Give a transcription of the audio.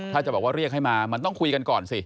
ถ้าจะบอกว่าเรียกให้มามันต้องคุยกันก่อนสิ